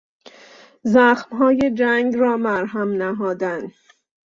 زخمهای جنگ را مرهم نهادن